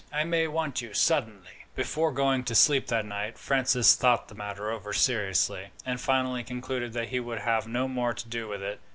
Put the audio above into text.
I may want you suddenly." Before going to sleep that night, Francis thought the matter over seriously, and finally concluded that he would have no more to do with it.